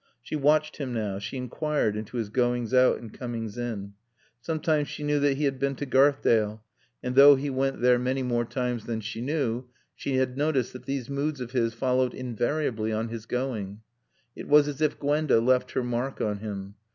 She watched him now; she inquired into his goings out and comings in. Sometimes she knew that he had been to Garthdale, and, though he went there many more times than she knew, she had noticed that these moods of his followed invariably on his going. It was as if Gwenda left her mark on him.